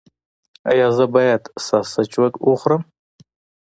ایا زه باید ساسج وخورم؟